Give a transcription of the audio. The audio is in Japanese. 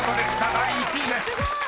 第１位です］